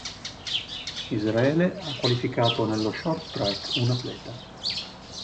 Israele ha qualificato nello short track un atleta.